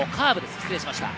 失礼しました。